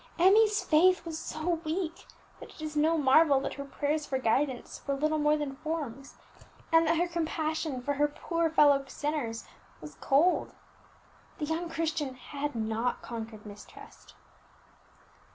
Emmie's faith was so weak, that it is no marvel that her prayers for guidance were little more than forms, and that her compassion for her poor fellow sinners was cold. The young Christian had not conquered mistrust.